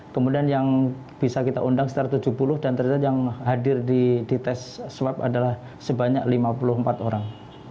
kemudian yang bisa kita undang sekitar tujuh puluh dan ternyata yang hadir di tes swab adalah sebanyak lima puluh empat orang